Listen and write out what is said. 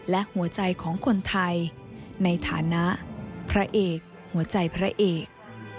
และหัวใจของคนไทยในฐานะพระเอกหัวใจพระเอก